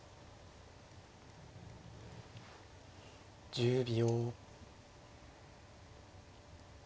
１０秒。